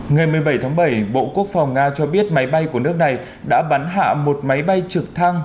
ngày một mươi bảy tháng bảy bộ quốc phòng nga cho biết máy bay của nước này đã bắn hạ một máy bay trực thăng